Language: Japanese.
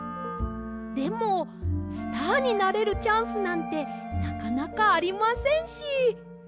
でもスターになれるチャンスなんてなかなかありませんし。